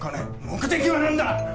目的は何だ！